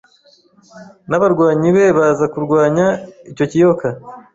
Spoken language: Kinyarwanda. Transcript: nabarwanyi be baza kurwanya icyo kiyoka